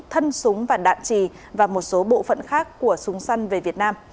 thân súng và đạn trì và một số bộ phận khác của súng săn về việt nam